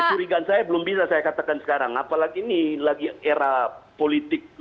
kecurigaan saya belum bisa saya katakan sekarang apalagi ini lagi era politik